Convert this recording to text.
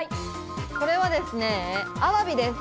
これはですね、あわびです。